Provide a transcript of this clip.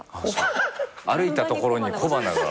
歩いた所に小花が。